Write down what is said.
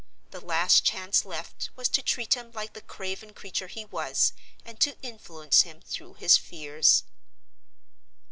The last chance left was to treat him like the craven creature he was, and to influence him through his fears.